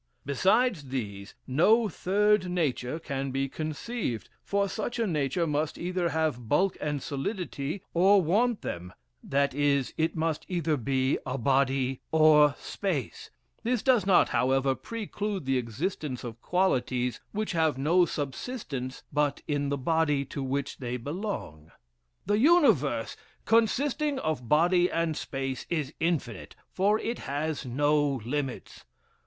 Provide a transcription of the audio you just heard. Besides these, no third nature can be conceived; for such a nature must either have bulk and solidity, or want them; that is, it must either be body or space: this does not, however, preclude the existence of qualities, which have no subsistence but in the body to which they belong. "The universe, consisting of body and space, is infinite, for it has no limits.